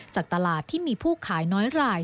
จากตลาดที่มีผู้ขายน้อยราย